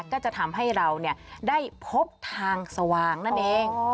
ก็จะทำให้เราได้พบทางสว่างนั่นเอง